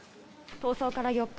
逃走から４日。